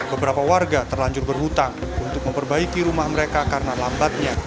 beberapa warga terlanjur berhutang untuk memperbaiki rumah mereka karena lambatnya